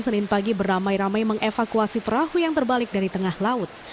senin pagi beramai ramai mengevakuasi perahu yang terbalik dari tengah laut